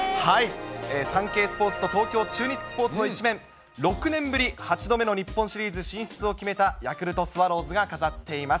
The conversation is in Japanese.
サンケイスポーツと東京中日スポーツの１面、６年ぶり、８度目の日本シリーズ進出を決めたヤクルトスワローズが飾っています。